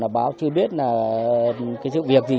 báo chưa biết là cái sự việc gì